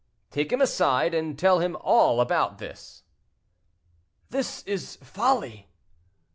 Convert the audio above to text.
"Take him aside, and tell him all about this." "This is folly."